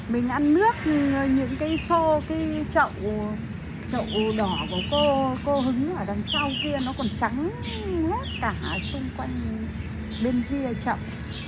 mình ăn nước những cây xô cây trậu đỏ của cô hứng ở đằng sau kia nó còn trắng hết cả xung quanh bên riêng trậu